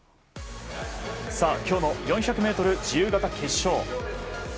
今日の４００ｍ自由形決勝。